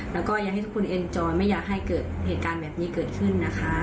แล้วก็อยากให้ทุกคนเองจอยไม่อยากให้เกิดเหตุการณ์แบบนี้เกิดขึ้นนะคะ